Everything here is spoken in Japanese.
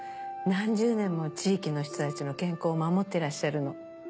何十年も地域の人たちの健康を守ってらっしゃるの。